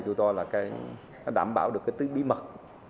chúng tôi đã đảm bảo được cái tí bí mật